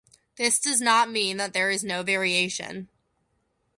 This does not mean that there is no variation.